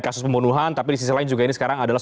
kasus pembunuhan tapi di sisi lain juga ini sekarang adalah